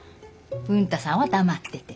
文太さんは黙ってて。